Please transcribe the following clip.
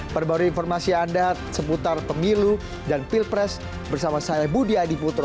perbarui informasi anda seputar pemilu dan pilpres bersama saya budi adiputro